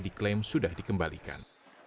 diklaim sudah dikembalikan